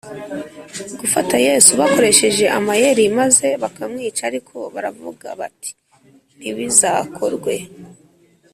gufata yesu bakoresheje amayeri maze bakamwica ariko baravuga bati ntibizakorwe